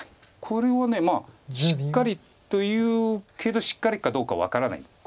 これはしっかりというけどしっかりかどうか分からない。